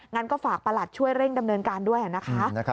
งั้นก็ฝากประหลัดช่วยเร่งดำเนินการด้วยนะคะ